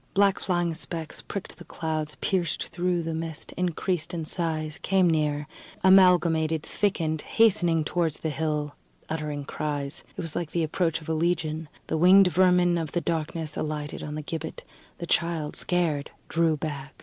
Black flying specks pricked the clouds, pierced through the mist, increased in size, came near, amalgamated, thickened, hastening towards the hill, uttering cries. It was like the approach of a Legion. The winged vermin of the darkness alighted on the gibbet; the child, scared, drew back.